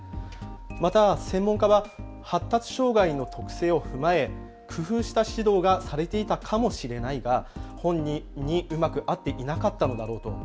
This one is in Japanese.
また専門家は発達障害の特性を踏まえ、工夫した指導がされていたかもしれないが本人にうまく合っていなかったのだろうと。